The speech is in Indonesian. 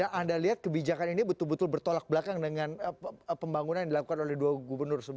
yang anda lihat kebijakan ini betul betul bertolak belakang dengan pembangunan yang dilakukan oleh dua gubernur